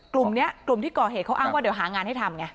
กลุ่มนี้กลุ่มที่ก่อเหตุเขาอ้างว่าเดี๋ยวหางานให้ทำไง